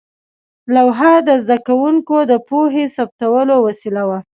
لوحه د زده کوونکو د پوهې ثبتولو وسیله وه.